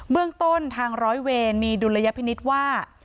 เรื่องต้นทางร้อยเวรมีดุลยพินิษฐ์ว่า